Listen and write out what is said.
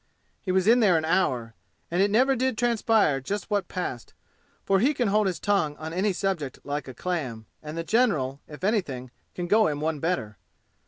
He was in there an hour, and it never did transpire just what passed, for he can hold his tongue on any subject like a clam, and the general, if anything, can go him one better.